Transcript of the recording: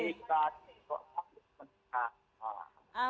jadi kita berterima kasih atas pengabdian mas wildan